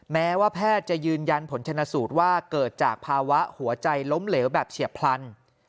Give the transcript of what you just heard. แม้ว่าแพทย์จะยืนยันผลชนะสูตรว่าเกิดจากภาวะหัวใจล้มเหลวแบบเฉียบพลัน